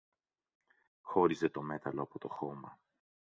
χώριζε το μέταλλο από το χώμα